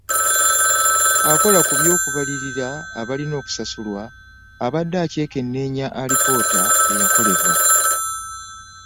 Akola ku ky'okubalirira abalina okusasulwa abadde akyekenneenya alipoota eyakolebwa